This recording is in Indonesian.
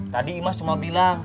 tadi imah cuma bilang